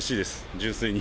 純粋に。